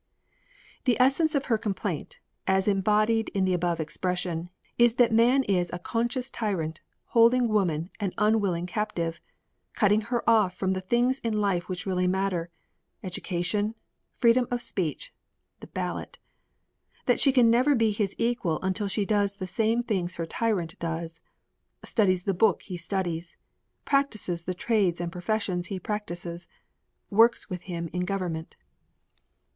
The essence of her complaint, as embodied in the above expression, is that man is a conscious tyrant holding woman an unwilling captive cutting her off from the things in life which really matter: education, freedom of speech, the ballot; that she can never be his equal until she does the same things her tyrant does, studies the book he studies, practices the trades and professions he practices, works with him in government.